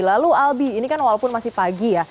lalu albi ini kan walaupun masih pagi ya